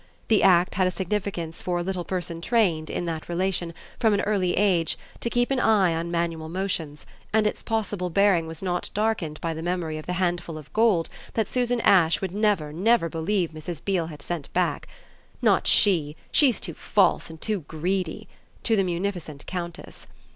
The act had a significance for a little person trained, in that relation, from an early age, to keep an eye on manual motions, and its possible bearing was not darkened by the memory of the handful of gold that Susan Ash would never, never believe Mrs. Beale had sent back "not she; she's too false and too greedy!" to the munificent Countess.